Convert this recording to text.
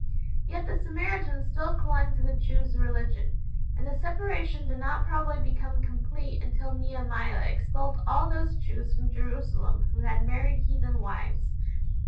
Yet the Samaritans still clung to the Jews' religion, and the separation did not probably become complete until Nehemiah expelled all those Jews from Jerusalem who had married heathen wives.